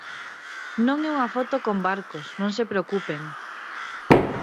Non é unha foto con barcos, non se preocupen.